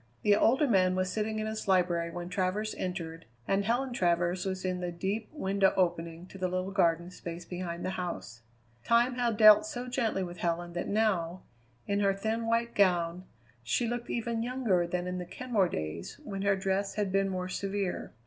The older man was sitting in his library when Travers entered, and Helen Travers was in the deep window opening to the little garden space behind the house. Time had dealt so gently with Helen that now, in her thin white gown, she looked even younger than in the Kenmore days, when her dress had been more severe.